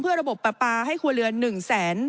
เพื่อระบบปรับปลาให้ครัวเรือน๑แสน